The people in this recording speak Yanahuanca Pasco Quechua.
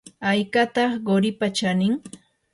¿haykataq quripa chanin?